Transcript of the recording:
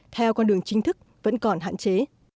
theo con đường chính thức vẫn còn hạn chế